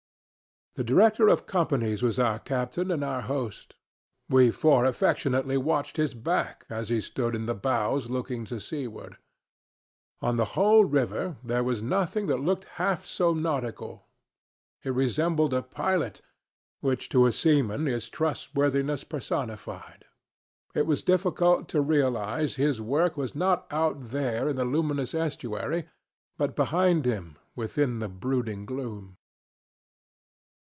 The Director of Companies was our captain and our host. We four affectionately watched his back as he stood in the bows looking to seaward. On the whole river there was nothing that looked half so nautical. He resembled a pilot, which to a seaman is trustworthiness personified. It was difficult to realize his work was not out there in the luminous estuary, but behind him, within the brooding gloom.